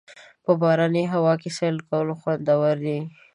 په باراني هوا کې سیل کول خوندور دي.